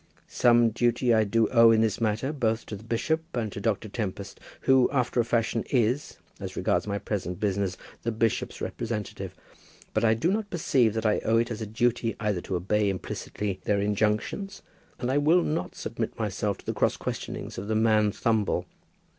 "Some duty I do owe in this matter, both to the bishop, and to Dr. Tempest, who, after a fashion, is, as regards my present business, the bishop's representative. But I do not perceive that I owe it as a duty to either to obey implicitly their injunctions, and I will not submit myself to the cross questionings of the man Thumble.